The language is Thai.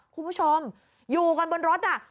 คุณผู้ชมอยู่กันบนรถน่ะ